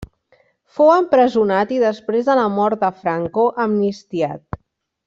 Fou empresonat i després de la mort de Franco amnistiat.